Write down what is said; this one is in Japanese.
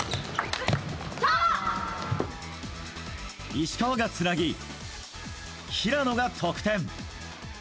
石川がつなぎ、平野が得点。